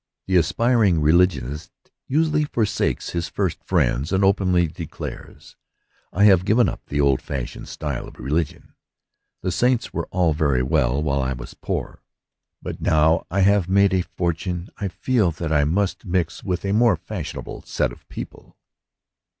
The aspiring religionist usually forsakes his first friends, and openly declares, "I have given up the old fashioned style of religion. The saints were all very well while I was poor, but now I have made a fortune I feel that I must mix with a more fashionable set of people."